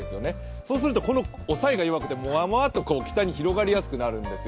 そうすると押さえが弱くてもわもわと北へ広がりやすくなるんですよ。